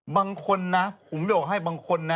บางคนนะผมจะบอกให้บางคนนะ